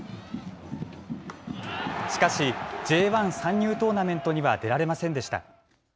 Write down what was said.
しかしＪ１参入トーナメントには出られませんでした。